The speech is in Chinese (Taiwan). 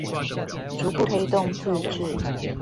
逐步推動自治